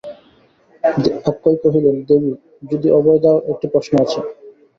অক্ষয় কহিলেন, দেবী, যদি অভয় দাও তো একটি প্রশ্ন আছে।